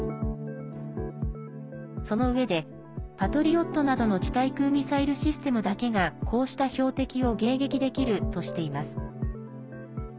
そのうえで「パトリオット」などの地対空ミサイルシステムだけがこうした標的を迎撃できるとしています。